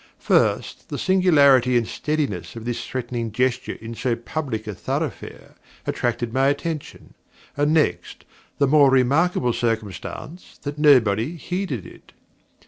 First, the singularity and steadiness of this threatening gesture in so public a thoroughfare, attracted my attention; and next, the more remarkable circumstance that nobody heeded it.